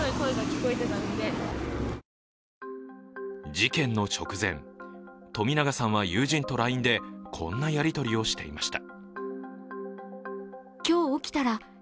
事件の直前、冨永さんは友人とＬＩＮＥでこんなやりとりをしていました。